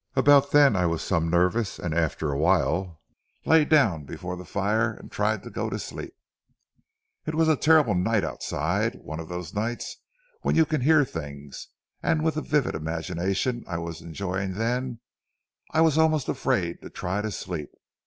About then I was some nervous, and after a while lay down before the fire and tried to go to sleep. "It was a terrible night outside—one of those nights when you can hear things; and with the vivid imagination I was enjoying then, I was almost afraid to try to sleep.